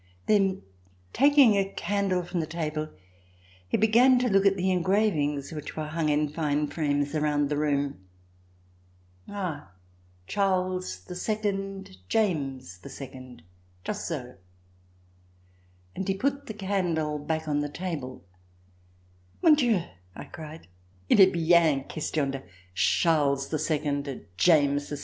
Then, taking a candle from the table, he began to look at the engravings which were hung in fine frames around the room. ''Ah! Charles H, James H, just so!" And he put the candle back on the table. "Mon Dieu!" I cried *'il est bien question de Charles II, de Jacques II !